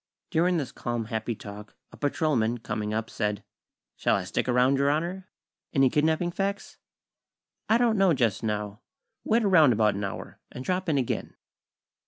During this calm, happy talk, a patrolman, coming up, said: "Shall I stick around, Your Honor? Any kidnapping facts?" "I don't know, just now. Wait around about an hour, and drop in again."